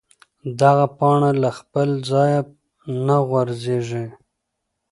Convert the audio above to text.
دغه پاڼه له خپل ځایه نه غورځېږي.